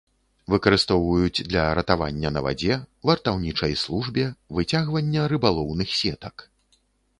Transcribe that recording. Выкарыстоўваюць для ратавання на вадзе, вартаўнічай службе, выцягвання рыбалоўных сетак.